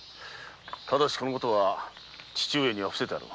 だがこのことは父上には伏せてある。